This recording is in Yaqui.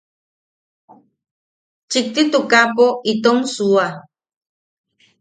Chikti tukapo itom suua.